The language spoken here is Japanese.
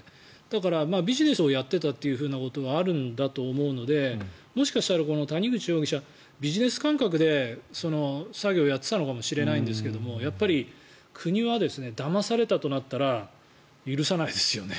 ビジネスをやっていたということはあるんだと思うのでもしかしたら谷口容疑者ビジネス感覚で作業をやっていたのかもしれないんですがやっぱり国はだまされたとなったら許さないですよね。